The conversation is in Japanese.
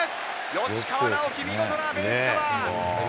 吉川尚輝、見事なベースカバー。